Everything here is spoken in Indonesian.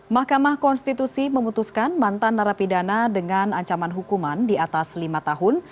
mahkamah konstitusi memutuskan mantan narapidana dengan ancaman hukuman di atas lima tahun